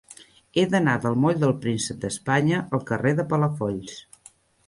He d'anar del moll del Príncep d'Espanya al carrer de Palafolls.